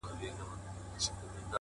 خلک يوازي بقا غواړي دلته